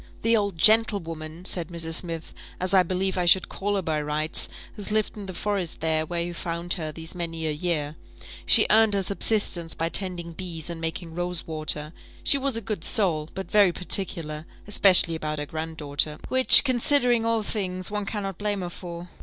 "The old gentlewoman," said Mrs. Smith, "as I believe I should call her by rights, has lived in the forest there, where you found her, these many a year she earned her subsistence by tending bees and making rose water she was a good soul, but very particular, especially about her grand daughter, which, considering all things, one cannot blame her for.